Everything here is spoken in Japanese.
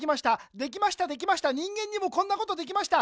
できましたできました人間にもこんなことできました。